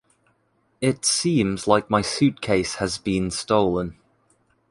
It seems like my suitcase has been stolen.